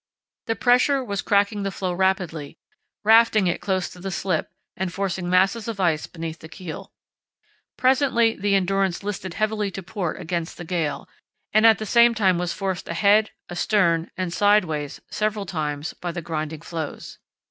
The pressure was cracking the floe rapidly, rafting it close to the slip and forcing masses of ice beneath the keel. Presently the Endurance listed heavily to port against the gale, and at the same time was forced ahead, astern, and sideways several times by the grinding floes.